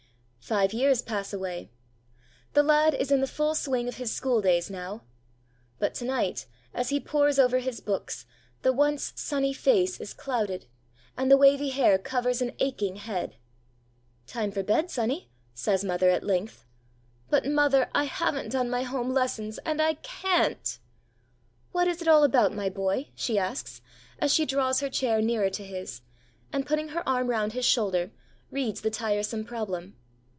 Five years pass away. The lad is in the full swing of his school days now. But to night, as he pores over his books, the once sunny face is clouded, and the wavy hair covers an aching head. 'Time for bed, sonny!' says mother at length. 'But, mother, I haven't done my home lessons, and I can't.' 'What is it all about, my boy?' she asks, as she draws her chair nearer to his, and, putting her arm round his shoulder, reads the tiresome problem.